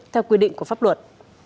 theo quy định của pháp luật